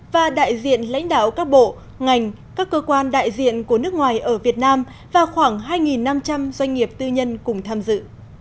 và đại diện lãnh đạo các bộ ngành các cơ quan đại diện của nước ngoài ở việt nam và khoảng hai năm trăm linh doanh nghiệp tư nhân cùng tham dự